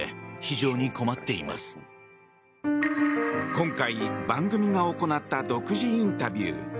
今回、番組が行った独自インタビュー。